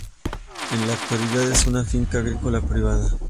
En la actualidad es una finca agrícola privada.